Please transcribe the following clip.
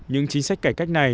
những chính sách cải cách này